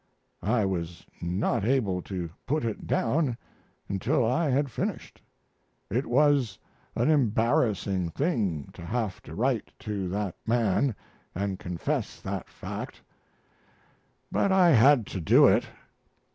I was not able to put it down until I had finished. It was an embarrassing thing to have to write to that man and confess that fact, but I had to do it.